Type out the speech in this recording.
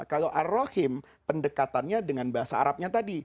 kalau ar rahim pendekatannya dengan bahasa arabnya tadi